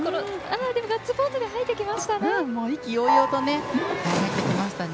ガッツポーズで入ってきましたね。